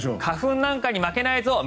花粉なんかに負けないぞ